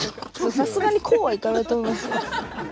さすがにこうはいかないと思いますよ。